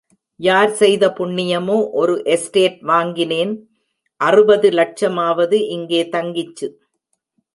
யார் செய்த புண்ணியமோ ஒரு எஸ்டேட் வாங்கினேன் அறுபது லட்சமாவது இங்கே தங்கிச்சு.